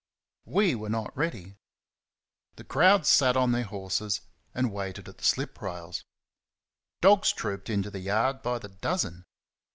We were not ready. The crowd sat on their horses and waited at the slip rails. Dogs trooped into the yard by the dozen.